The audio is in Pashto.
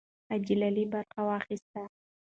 حاجي لالی برخه واخیسته.